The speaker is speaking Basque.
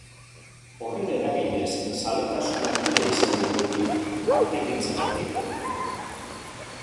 Horren eraginez, zaletasun handia izan du beti artegintzarekiko.